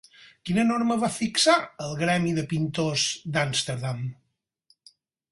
Quina norma va fixar el gremi de pintors d'Amsterdam?